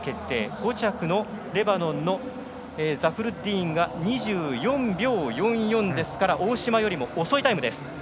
５着のレバノンのザフルッディーンが２４秒４４ですから大島よりも遅いタイムです。